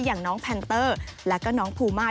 อย่างน้องแพนเตอร์แล้วก็น้องภูมา